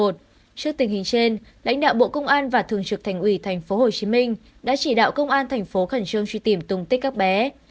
trước tình hình trên lãnh đạo bộ công an và thường trực thành ủy tp hcm đã chỉ đạo công an thành phố khẩn trương truy tìm tung tích các bé